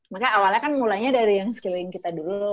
maka awalnya kan mulainya dari yang skilling kita dulu